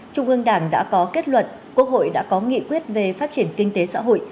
trung ương đảng đã có kết luận quốc hội đã có nghị quyết về phát triển kinh tế xã hội